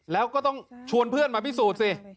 แล้วก็ต้องชวนเพื่อนมาพิสูจน์สิ